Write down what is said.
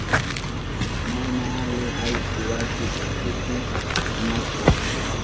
Mana ali allku wasi ukupi ismashka.